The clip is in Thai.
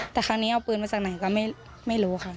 แต่ครั้งนี้เอาปืนมาจากไหนก็ไม่รู้ค่ะ